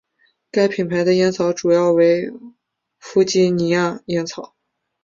该品牌的烟草主要为弗吉尼亚烟草。